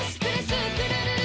スクるるる！」